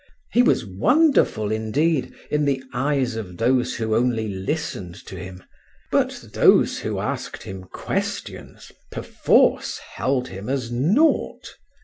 He was wonderful, indeed, in the eyes of these who only listened to him, but those who asked him questions perforce held him as nought.